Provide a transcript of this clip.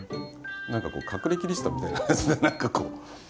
何かこう隠れキリシタンみたいな感じで何かこう。